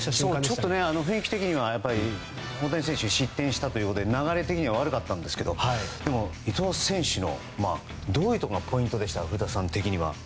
ちょっと雰囲気的には大谷選手が失点したということで流れ的には悪かったんですけどでも伊藤選手のどういうところがポイントでしたか古田さん的には。